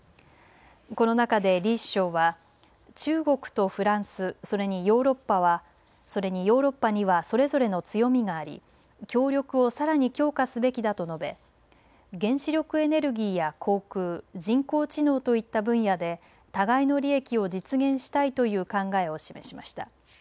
この中で李首相は中国とフランス、それにヨーロッパにはそれぞれの強みがあり協力をさらに強化すべきだと述べ原子力エネルギーや航空、人工知能といった分野で互いの利益を実現したいという考えを示しました。